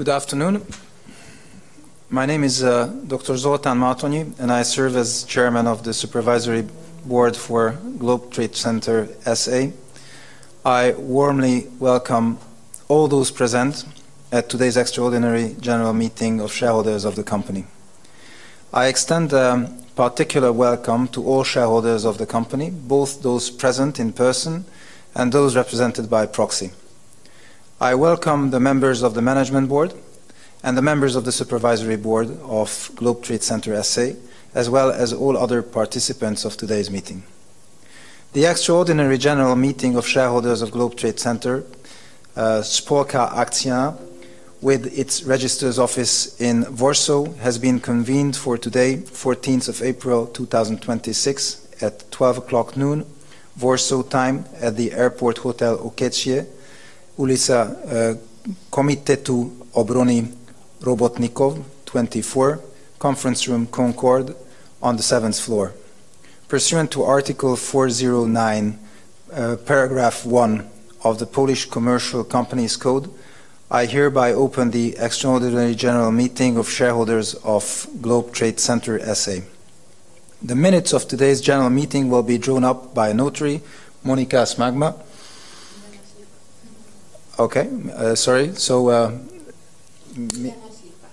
Good afternoon. My name is Dr. Zoltán Martonyi, and I serve as Chairman of the Supervisory Board for Globe Trade Centre S.A. I warmly welcome all those present at today's extraordinary general meeting of shareholders of the company. I extend a particular welcome to all shareholders of the company, both those present in person and those represented by proxy. I welcome the members of the Management Board and the members of the Supervisory Board of Globe Trade Centre S.A., as well as all other participants of today's meeting. The extraordinary general meeting of shareholders of Globe Trade Centre Spółka Akcyjna, with its registered office in Warsaw, has been convened for today, 14th of April, 2026 at 12:00 P.M., Warsaw time, at the Airport Hotel Okęcie, ulica Komitetu Obrony Robotników 24, conference room Concorde, on the seventh floor. Pursuant to Article 409, paragraph 1 of the Polish Commercial Companies Code, I hereby open the extraordinary general meeting of shareholders of Globe Trade Centre S.A. The minutes of today's general meeting will be drawn up by Notary Monika Smagała. Okay. Sorry.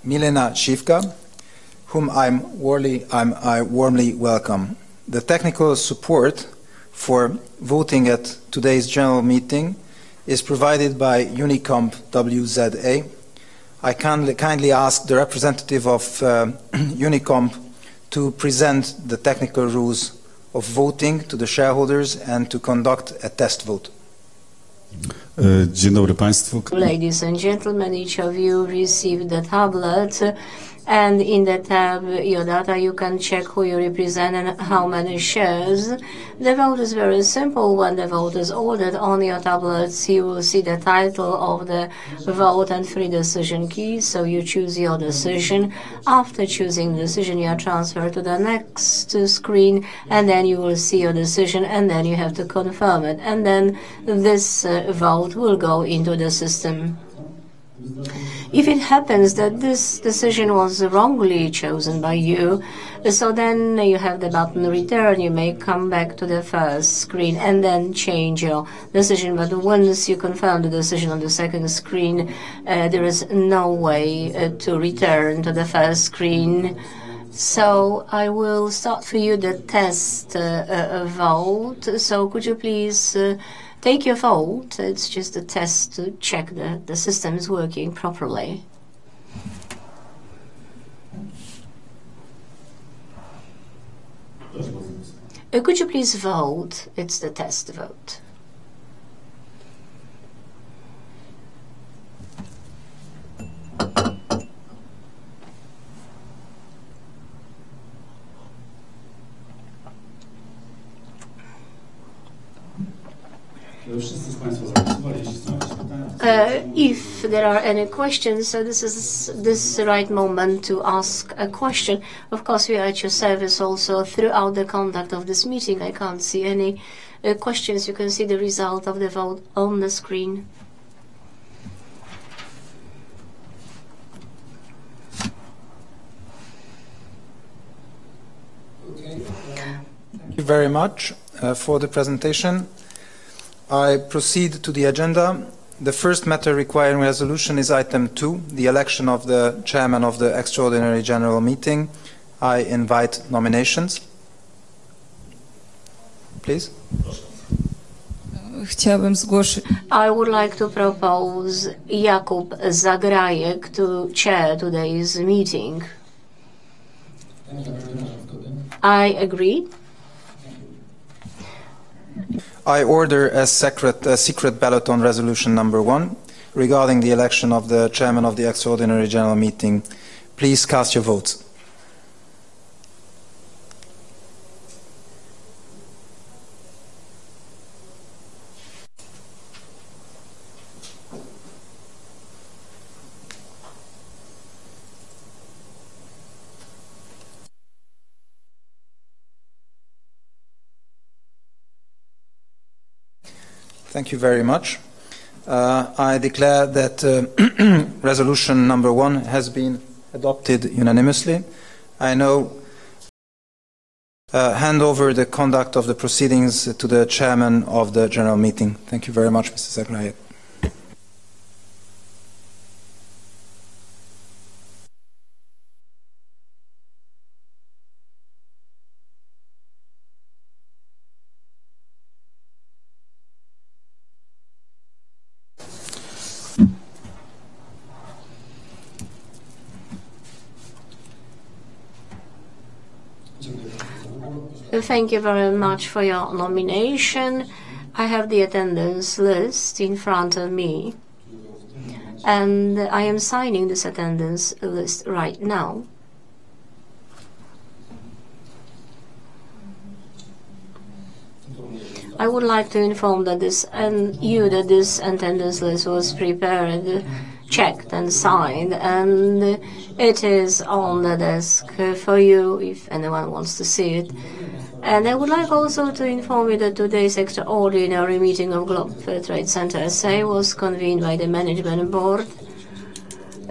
Milena Siwka, whom I warmly welcome. The technical support for voting at today's general meeting is provided by Unicomp-WZA. I kindly ask the representative of Unicomp to present the technical rules of voting to the shareholders and to conduct a test vote. Ladies and gentlemen, each of you received a tablet, and in the tab, Your Data, you can check who you represent and how many shares. The vote is very simple. When the vote is ordered on your tablets, you will see the title of the vote and three decision keys. You choose your decision. After choosing the decision, you are transferred to the next screen, and then you will see your decision, and then you have to confirm it. This vote will go into the system. If it happens that this decision was wrongly chosen by you, then you have the button Return. You may come back to the first screen and then change your decision. Once you confirm the decision on the second screen, there is no way to return to the first screen. I will start for you the test vote. Could you please take your vote? It's just a test to check that the system is working properly. Could you please vote? It's the test vote. If there are any questions, this is the right moment to ask a question. Of course, we are at your service also throughout the conduct of this meeting. I can't see any questions. You can see the result of the vote on the screen. Thank you very much for the presentation. I proceed to the agenda. The first matter requiring resolution is item two, the election of the Chairman of the Extraordinary General Meeting. I invite nominations. Please. I would like to propose Jakub Caithaml to chair today's meeting. I agree. I order a secret ballot on resolution number one regarding the election of the Chairman of the Extraordinary General Meeting. Please cast your vote. Thank you very much. I declare that resolution number one has been adopted unanimously. I now hand over the conduct of the proceedings to the Chairman of the General Meeting. Thank you very much, Mr. Caithaml. Thank you very much for your nomination. I have the attendance list in front of me, and I am signing this attendance list right now. I would like to inform you that this attendance list was prepared, checked and signed, and it is on the desk for you if anyone wants to see it. I would like also to inform you that today's extraordinary meeting of Globe Trade Centre S.A. was convened by the Management Board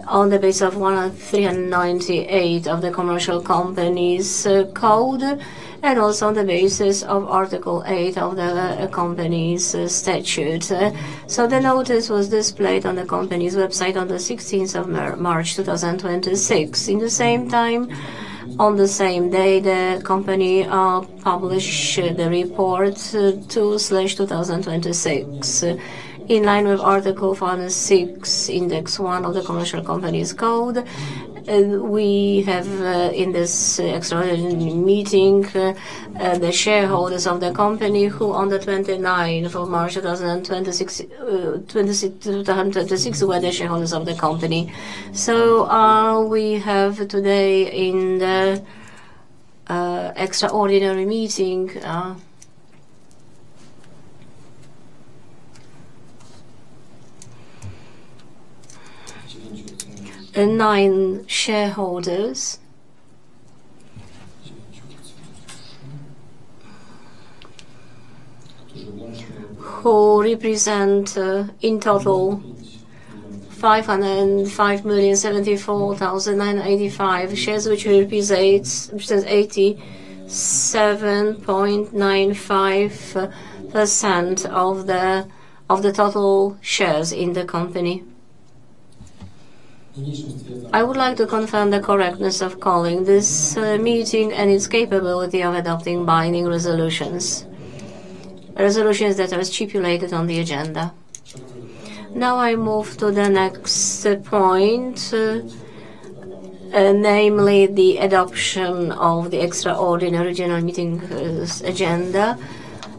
on the basis of 198 of the Commercial Companies Code and also on the basis of Article 8 of the company's statute. The notice was displayed on the company's website on the 16th of March 2026. In the same time, on the same day, the company published the report 2/2026. In line with Article 406, paragraph 1 of the Commercial Companies Code, we have in this Extraordinary Meeting, the shareholders of the company who on the 29th of March 2026 were the shareholders of the company. We have today in the Extraordinary Meeting nine shareholders who represent in total 505,074,985 shares, which represents 87.95% of the total shares in the company. I would like to confirm the correctness of calling this meeting and its capability of adopting binding resolutions that are stipulated on the agenda. Now I move to the next point, namely the adoption of the Extraordinary General Meeting's agenda.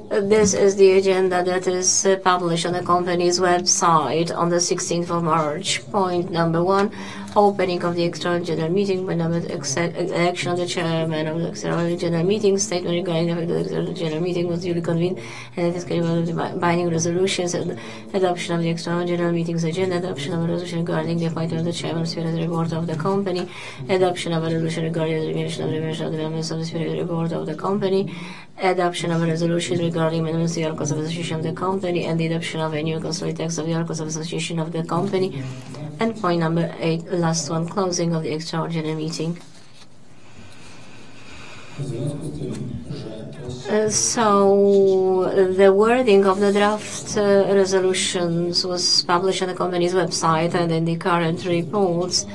This is the agenda that is published on the company's website on the 16th of March. Point number one, opening of the extraordinary general meeting, election of the chairman of the extraordinary general meeting, statement regarding whether the extraordinary general meeting was duly convened and it is capable of binding resolutions, and adoption of the extraordinary general meeting's agenda, adoption of a resolution regarding the appointment of the chairman of the supervisory board of the company, adoption of a resolution regarding the revision of the members of the supervisory board of the company, adoption of a resolution regarding the members of the association of the company, and the adoption of a new consolidated text of the articles of association of the company. And point number eight, the last one, closing of the extraordinary general meeting. So the wording of the draft resolutions was published on the company's website and in the current reports,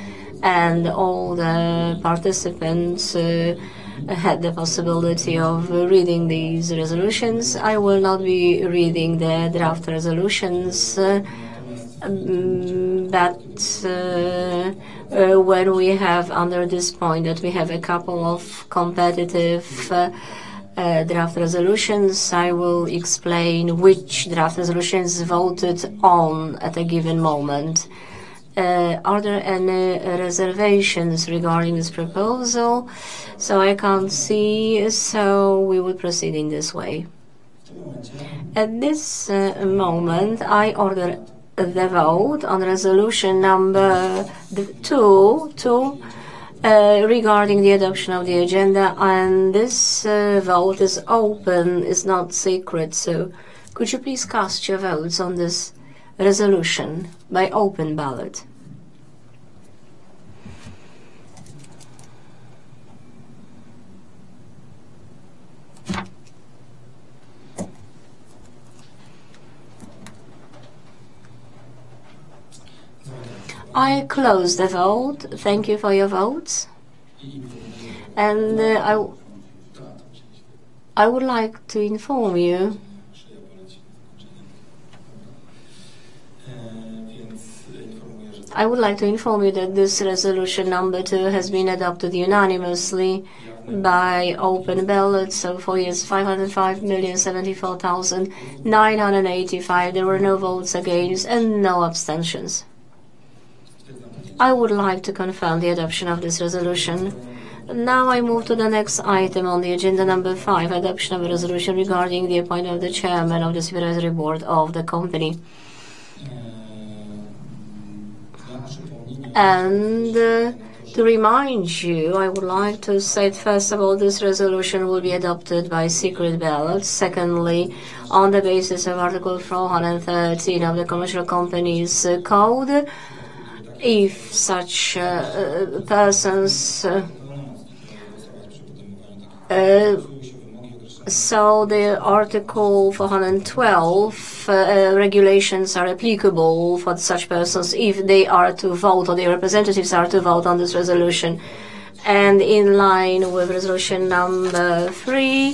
and all the participants had the possibility of reading these resolutions. I will not be reading the draft resolutions. When we have under this point that we have a couple of competitive draft resolutions, I will explain which draft resolutions voted on at a given moment. Are there any reservations regarding this proposal? I can't see, so we will proceed in this way. At this moment, I order the vote on Resolution Number 2 regarding the adoption of the agenda, and this vote is open, it's not secret. Could you please cast your votes on this resolution by open ballot? I close the vote. Thank you for your votes. I would like to inform you that this Resolution Number 2 has been adopted unanimously by open ballot. For Yes, 505,074,985. There were no votes against and no abstentions. I would like to confirm the adoption of this resolution. Now I move to the next item on the agenda, number 5, adoption of a resolution regarding the appointment of the Chairman of the Supervisory Board of the Company. To remind you, I would like to say, first of all, this resolution will be adopted by secret ballot. Secondly, on the basis of Article 413 of the Commercial Companies Code, the Article 412 regulations are applicable for such persons if they are to vote or their representatives are to vote on this resolution. In line with Resolution number 3,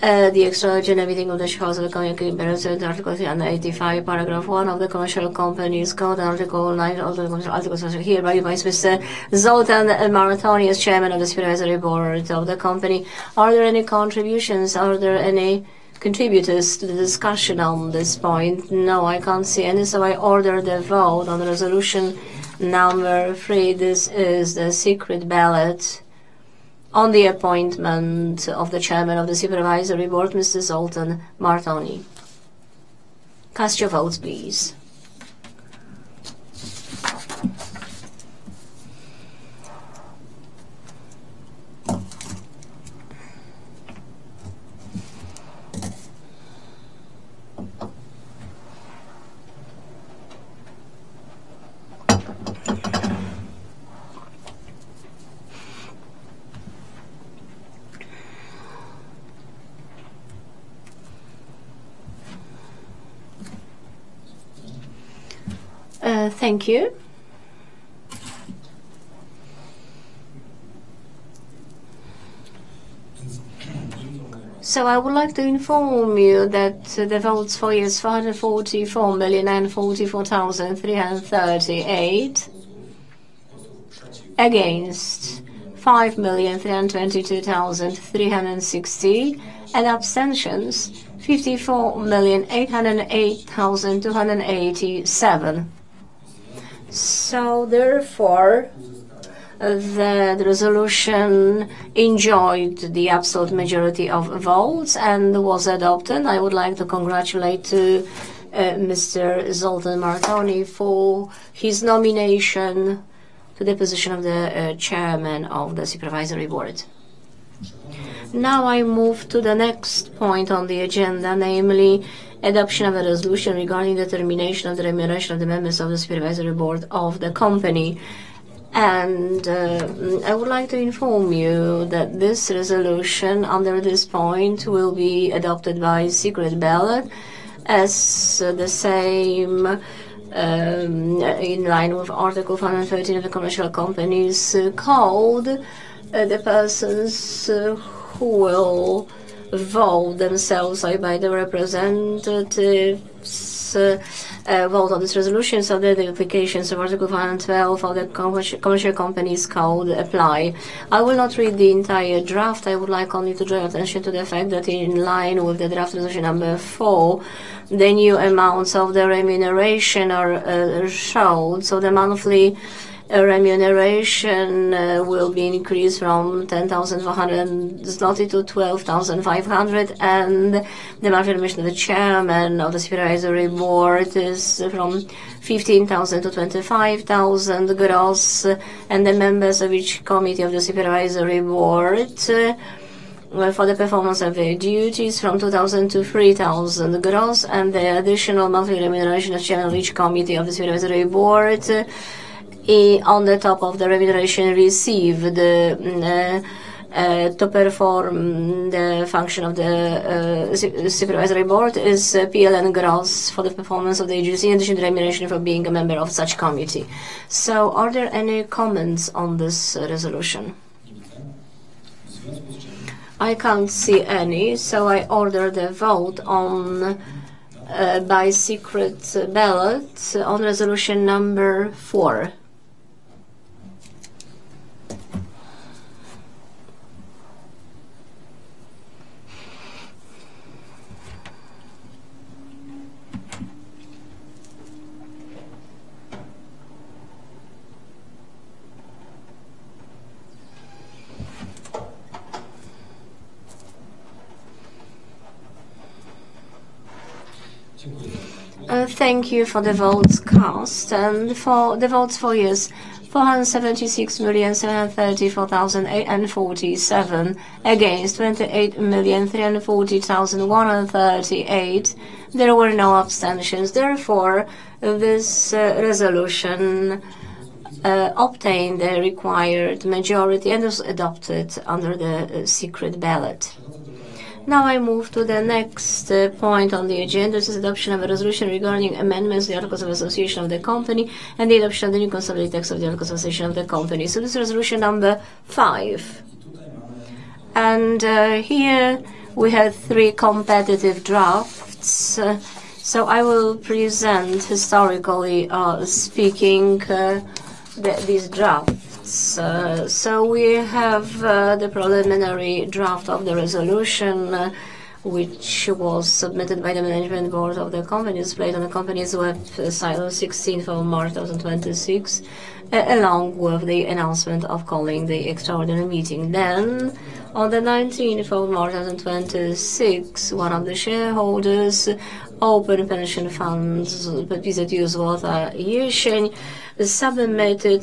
the Extraordinary General Meeting of the Shareholders of the Company in accordance with Article 385, paragraph 1 of the Commercial Companies Code and Article 9 hereby appoints Mr. Zoltán Martonyi as Chairman of the Supervisory Board of the Company. Are there any contributions? Are there any contributors to the discussion on this point? No, I can't see any, so I order the vote on Resolution Number three. This is the secret ballot on the appointment of the Chairman of the Supervisory Board, Mr. Zoltán Martonyi. Cast your votes, please. Thank you. I would like to inform you that the votes for yes, 544,944,338. Against, 5,322,360. Abstentions, 54,808,287. Therefore, the resolution enjoyed the absolute majority of votes and was adopted. I would like to congratulate Mr. Zoltán Martonyi for his nomination to the position of the Chairman of the Supervisory Board. Now I move to the next point on the agenda, namely adoption of a resolution regarding the determination of the remuneration of the members of the Supervisory Board of the Company. I would like to inform you that this resolution, under this point, will be adopted by secret ballot as the same, in line with Article 413 of the Commercial Companies Code. The persons who will vote themselves by the representatives vote on this resolution. The notifications of Article 412 of the Commercial Companies Code apply. I will not read the entire draft. I would like only to draw your attention to the fact that in line with the draft resolution number 4, the new amounts of the remuneration are shown. The monthly remuneration will be increased from 10,400-12,500. The remuneration of the Chairman of the Supervisory Board is from 15,000-25,000 gross, and the members of each committee of the Supervisory Board, for the performance of their duties, from 2,000-3,000 gross. Additional monthly remuneration of Chair of each Committee of the Supervisory Board, on the top of the remuneration received to perform the function of the Supervisory Board, is PLN gross for the performance of their duty in addition to remuneration for being a member of such Committee. Are there any comments on this resolution? I can't see any, so I order the vote by secret ballot on Resolution Number four. Thank you for the votes cast. The votes for Yes, 476,734,047. Against, 28,340,138. There were no abstentions. Therefore, this resolution obtained the required majority and is adopted under the secret ballot. Now I move to the next point on the agenda. This is the adoption of a resolution regarding amendments to the Articles of Association of the company and the adoption of the new consolidated text of the Articles of Association of the company. This is resolution number five. Here we have three competitive drafts. I will present, historically speaking, these drafts. We have the preliminary draft of the resolution, which was submitted by the Management Board of the company, displayed on the company's website on the 16th of March 2026, along with the announcement of calling the extraordinary meeting. On the 19th of March 2026, one of the shareholders, PZU Złota Jesień Open Pension Fund, submitted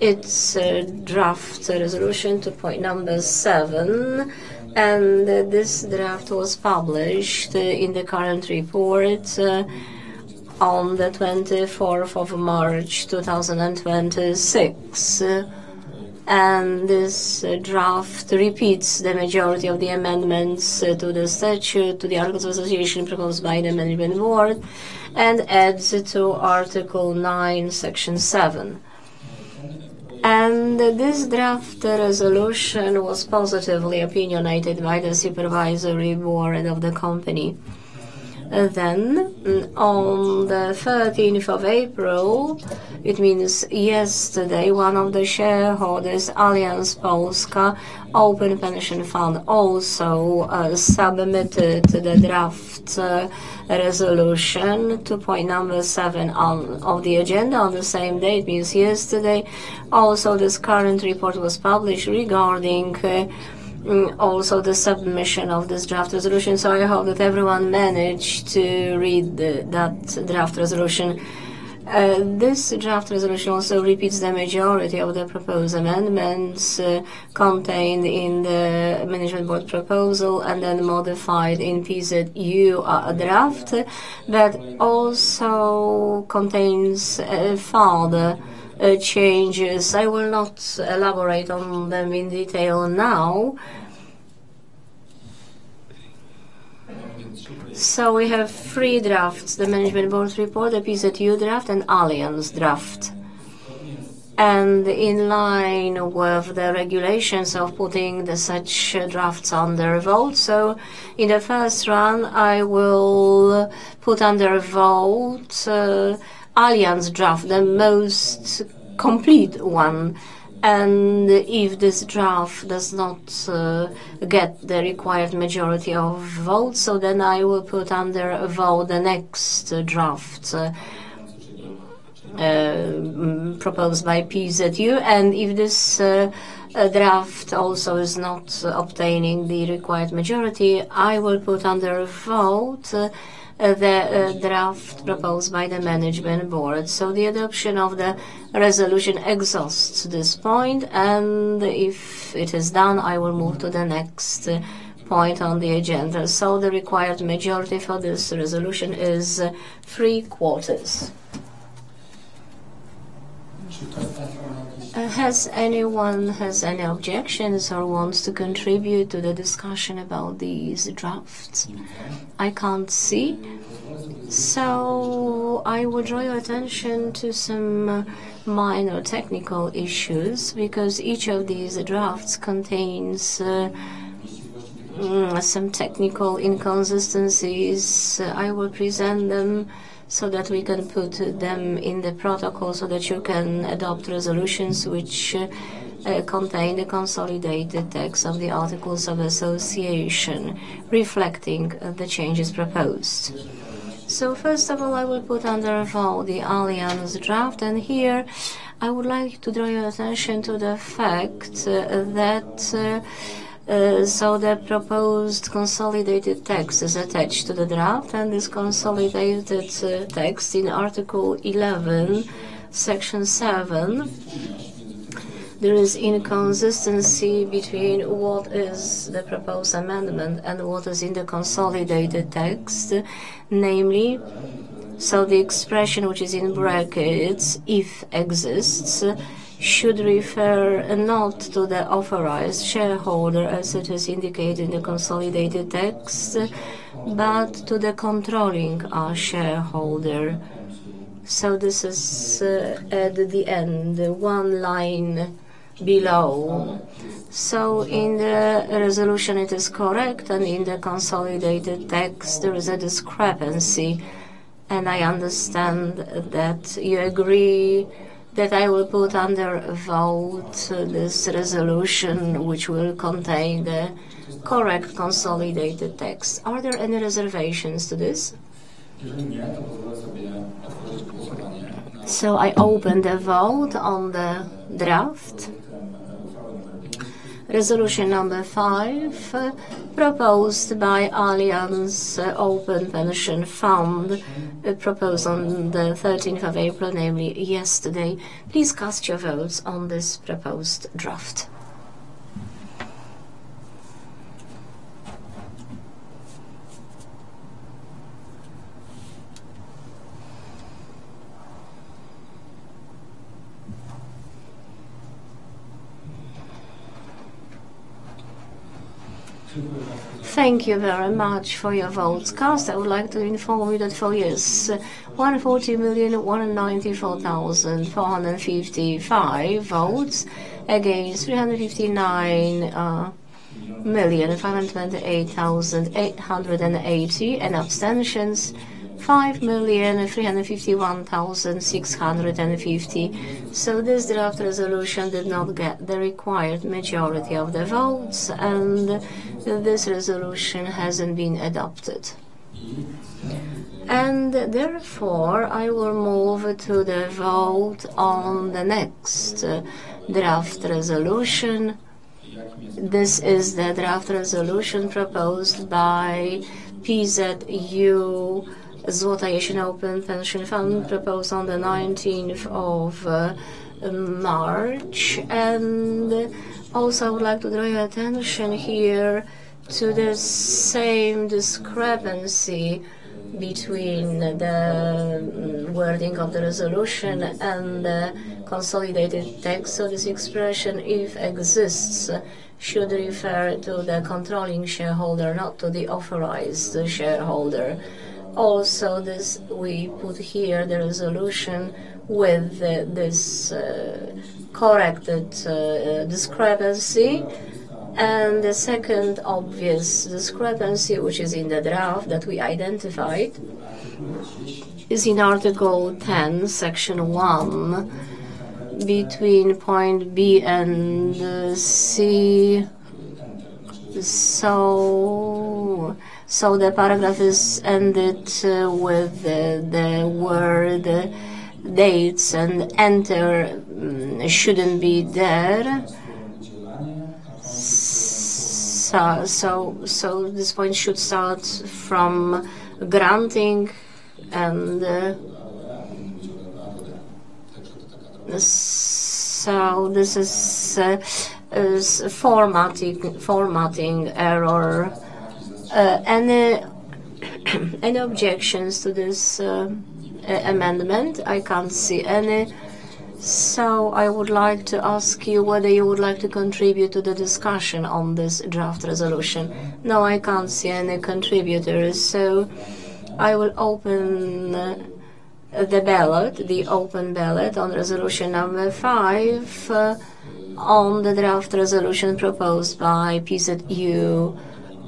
its draft resolution to point number seven, and this draft was published in the current report on the 24th of March 2026. This draft repeats the majority of the amendments to the statute to the Articles of Association proposed by the Management Board and adds to Article 9, Section 7. This draft resolution was positively opinionated by the Supervisory Board of the company. On the 13th of April, it means yesterday, one of the shareholders, Allianz Polska Open Pension Fund, also submitted the draft resolution to point number seven of the agenda. On the same day, it means yesterday, also this current report was published regarding also the submission of this draft resolution. I hope that everyone managed to read that draft resolution. This draft resolution also repeats the majority of the proposed amendments contained in the Management Board proposal and then modified in PZU draft, but also contains further changes. I will not elaborate on them in detail now. We have three drafts, the Management Board's report, the PZU draft, and Allianz draft. In line with the regulations of putting such drafts on the vote, in the first round I will put under vote Allianz draft, the most complete one. If this draft does not get the required majority of votes, then I will put under vote the next draft proposed by PZU. If this draft also is not obtaining the required majority, I will put under vote the draft proposed by the Management Board. The adoption of the resolution exhausts this point, and if it is done, I will move to the next point on the agenda. The required majority for this resolution is 3/4. Has anyone any objections or wants to contribute to the discussion about these drafts? I can't see. I would draw your attention to some minor technical issues, because each of these drafts contains some technical inconsistencies. I will present them so that we can put them in the protocol so that you can adopt resolutions which contain the consolidated text of the Articles of Association reflecting the changes proposed. First of all, I will put under vote the Allianz draft. Here I would like to draw your attention to the fact that the proposed consolidated text is attached to the draft, and this consolidated text in Article 11, Section 7, there is inconsistency between what is the proposed amendment and what is in the consolidated text. Namely, the expression which is in brackets, "if exists," should refer not to the authorized shareholder, as it is indicated in the consolidated text, but to the controlling shareholder. This is at the end, one line below. In the resolution it is correct, and in the consolidated text there is a discrepancy. I understand that you agree that I will put under vote this resolution, which will contain the correct consolidated text. Are there any reservations to this? I open the vote on the draft resolution number five, proposed by Allianz Open Pension Fund, proposed on the 13th of April, namely yesterday. Please cast your votes on this proposed draft. Thank you very much for your votes cast. I would like to inform you that for yes, 140,194,455 votes. Against, 359,528,880. Abstentions, 5,351,650. This draft resolution did not get the required majority of the votes, and this resolution hasn't been adopted. Therefore, I will move to the vote on the next draft resolution. This is the draft resolution proposed by PZU Złota Jesień Open Pension Fund, proposed on the 19th of March. Also, I would like to draw your attention here to the same discrepancy between the wording of the resolution and the consolidated text. This expression, "if exists," should refer to the controlling shareholder, not to the authorized shareholder. Also this, we put here the resolution with this corrected discrepancy. The second obvious discrepancy, which is in the draft that we identified, is in Article 10, Section 1, between point B and C. The paragraph is ended with the word dates, and enter shouldn't be there. This point should start from granting, and so this is a formatting error. Any objections to this amendment? I can't see any. I would like to ask you whether you would like to contribute to the discussion on this draft resolution. No, I can't see any contributors. I will open the open ballot on resolution number five on the draft resolution proposed by PZU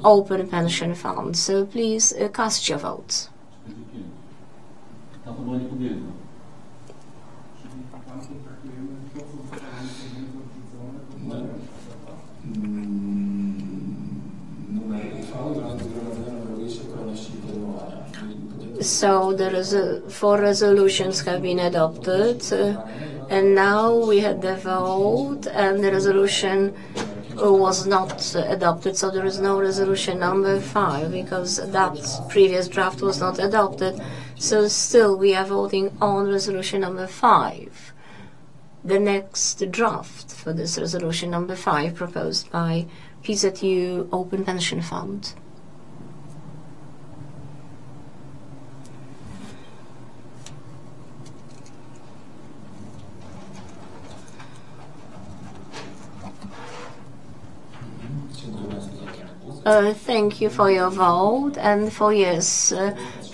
Open Pension Fund. Please cast your votes. Four resolutions have been adopted, and now we have the vote and the resolution was not adopted. There is no resolution number five because that previous draft was not adopted. Still we are voting on resolution number five, the next draft for this resolution number five proposed by PZU Open Pension Fund. Thank you for your vote. For yes,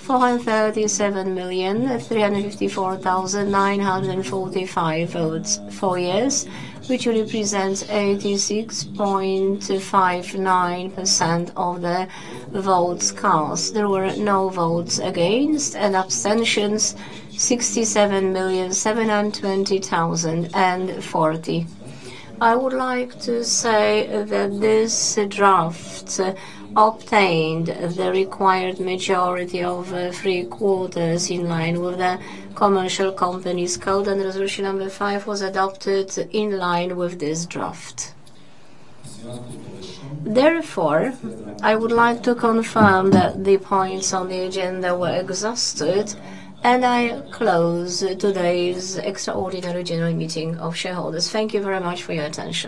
437,354,945 votes for yes, which represents 86.59% of the votes cast. There were no votes against, and abstentions 67,720,040. I would like to say that this draft obtained the required majority of three-quarters in line with the Commercial Companies Code, and Resolution number five was adopted in line with this draft. Therefore, I would like to confirm that the points on the agenda were exhausted, and I close today's Extraordinary General Meeting of Shareholders. Thank you very much for your attention.